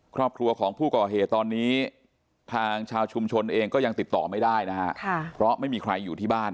ครอบครัวของผู้ก่อเหตุตอนนี้ทางชาวชุมชนเองก็ยังติดต่อไม่ได้นะฮะเพราะไม่มีใครอยู่ที่บ้าน